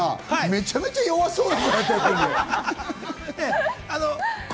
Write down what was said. めちゃめちゃ弱そう。